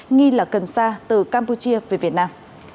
nghi là cần sa từ campuchia về việt nam